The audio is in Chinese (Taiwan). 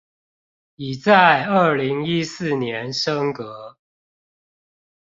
已在二零一四年升格